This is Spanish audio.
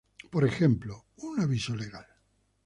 Por ejemplo, un aviso legal.